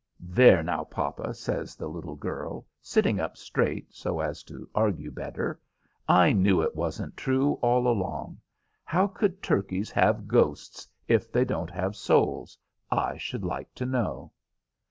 "There, now, papa," says the little girl, sitting up straight, so as to argue better, "I knew it wasn't true, all along. How could turkeys have ghosts if they don't have souls, I should like to know?"